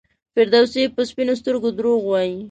فردوسي په سپینو سترګو دروغ وایي.